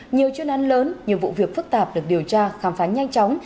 nhiều chuyên án lớn nhiều vụ việc phức tạp được điều tra khám phá nhanh chóng